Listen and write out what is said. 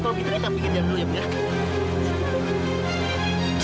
kalau gitu kita pinggirin dulu ya biar